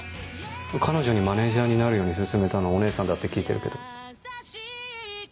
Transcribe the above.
彼女にマネジャーになるように勧めたのお姉さんだって聞いてるけど。